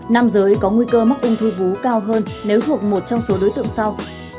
nam giới có nguy cơ mắc ung thư vú cao hơn nếu thuộc một trong số đối tượng sau